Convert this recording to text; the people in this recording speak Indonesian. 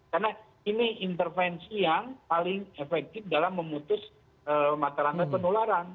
karena ini intervensi yang paling efektif dalam memutus matalangnya penularan